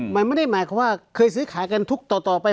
มันไม่ได้หมายความว่าเคยซื้อขายกันทุกต่อไป